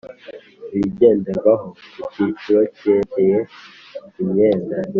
Ibigenderwaho ku cyiciro cyerekeye imyenda